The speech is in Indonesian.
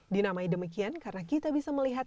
dinamai demikian karena kita bisa melihat